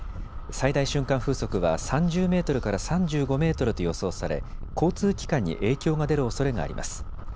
最大瞬間風速は３０メートルから３５メートルと予想され交通機関に影響が出るおそれがあります。